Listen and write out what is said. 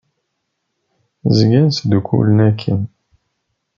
Zgant ttdukkulent akken.